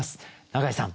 永井さん